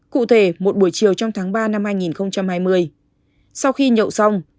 cụ thể một buổi chiều trong tháng ba năm hai nghìn hai mươi sau khi nhậu xong